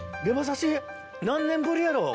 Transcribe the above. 何年ぶりやろう